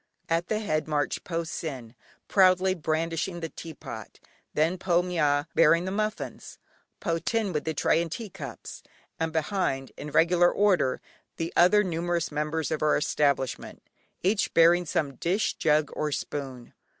At the head marched Po Sin, proudly brandishing the teapot, then Po Mya bearing the muffins, Po Thin with the tray and tea cups, and behind, in regular order, the other numerous members of our establishment, each bearing some dish, jug, or spoon.